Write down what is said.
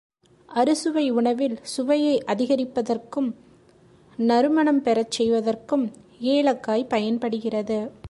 அறுசுவை உணவில் சுவையை அதிகரிப்பதற்கும், நறுமணம் பெறச் செய்வதற்கும் ஏலக்காய் பயன்படுகிறது.